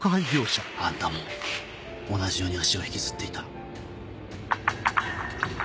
あんたも同じように足を引きずっていた。